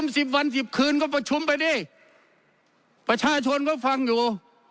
สิบวันสิบคืนก็ประชุมไปดิประชาชนก็ฟังอยู่